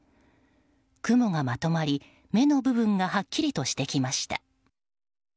雲がまとまり、目の部分がはっきりとしてきました。